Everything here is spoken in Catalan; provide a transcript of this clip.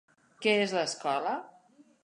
Què és l'escola?